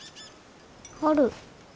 ある。